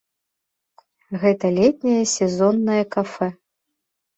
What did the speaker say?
Гэта летняе сезоннае кафэ.